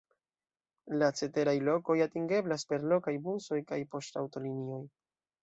La ceteraj lokoj atingeblas per lokaj busoj kaj poŝtaŭtolinioj.